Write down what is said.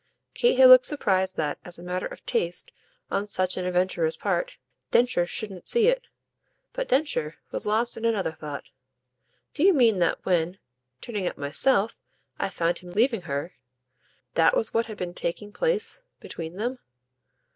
Kate had looked surprised that, as a matter of taste on such an adventurer's part, Densher shouldn't see it. But Densher was lost in another thought. "Do you mean that when, turning up myself, I found him leaving her, that was what had been taking place between them?"